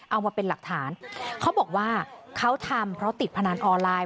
เอามาเป็นหลักฐานเขาบอกว่าเขาทำเพราะติดพนันออนไลน์